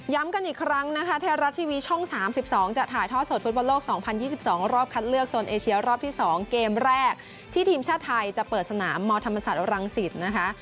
กันอีกครั้งนะคะไทยรัฐทีวีช่อง๓๒จะถ่ายท่อสดฟุตบอลโลก๒๐๒๒รอบคัดเลือกโซนเอเชียรอบที่๒เกมแรกที่ทีมชาติไทยจะเปิดสนามมธรรมศาสตรังสิตนะคะ